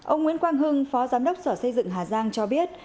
ông nguyễn quang hưng phó giám đốc sở xây dựng hà giang cho biết